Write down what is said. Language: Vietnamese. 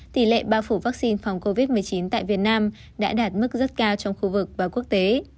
tỷ lệ bao phủ vaccine phòng covid một mươi chín tại việt nam đã đạt mức rất cao trong khu vực và quốc tế